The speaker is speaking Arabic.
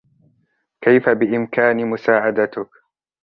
كيف بإمكاني مساعدتك ؟